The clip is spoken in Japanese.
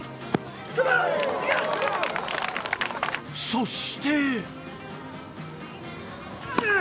そして。